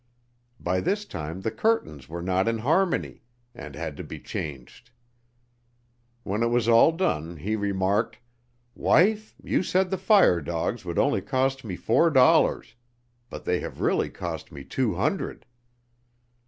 By this time the curtains were not in harmony, and had to be changed. When it was all done he remarked: 'Wife, you said the fire dogs would only cost me four dollars, but they have really cost me two hundred.'"